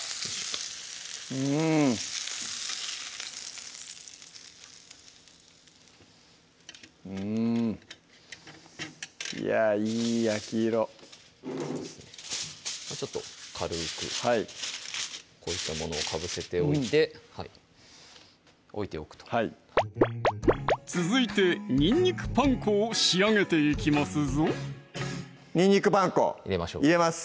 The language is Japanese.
うんうんいやいい焼き色ちょっと軽くはいこういったものをかぶせておいて置いておくと続いてにんにくパン粉を仕上げていきますぞにんにくパン粉入れます